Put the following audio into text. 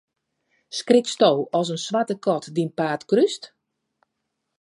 Skriksto as in swarte kat dyn paad krúst?